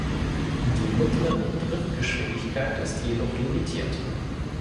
Die mittlere Driftgeschwindigkeit ist jedoch limitiert.